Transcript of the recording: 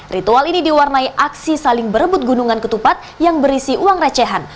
ritual ini diwarnai aksi saling berebut gunungan ketupat yang berisi uang recehan